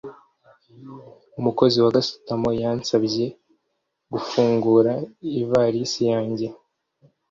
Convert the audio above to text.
Umukozi wa gasutamo yansabye gufungura ivalisi yanjye